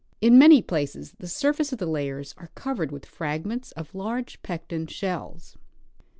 In many places the surfaces of the layers are covered with fragments of large Pecten shells.